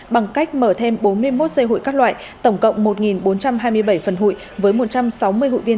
bằng cách mở thêm bốn mươi một giây hội các loại tổng cộng một bốn trăm hai mươi bảy phần hội với một trăm sáu mươi sáu đồng